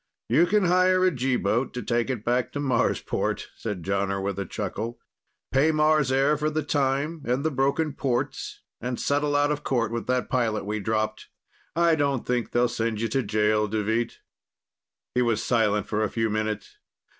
"You can hire a G boat to take it back to Marsport," said Jonner with a chuckle. "Pay Mars Air for the time and the broken ports, and settle out of court with that pilot we dropped. I don't think they'll send you to jail, Deveet." He was silent for a few minutes.